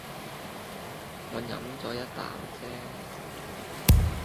我飲咗一啖咋